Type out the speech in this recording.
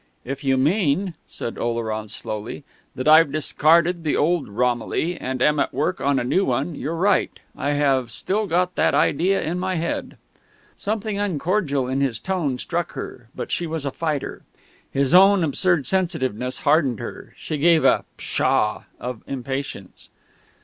"If you mean," said Oleron slowly, "that I've discarded the old Romilly, and am at work on a new one, you're right. I have still got that idea in my head." Something uncordial in his tone struck her; but she was a fighter. His own absurd sensitiveness hardened her. She gave a "Pshaw!" of impatience.